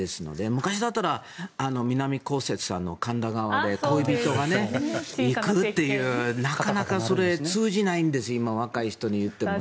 昔だったら南こうせつさんの「神田川」で恋人が行くっていうなかなか通じないんです今、若い人に言っても。